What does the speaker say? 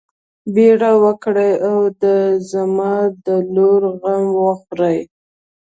بيړه وکړئ او د زما د لور غم وخورئ.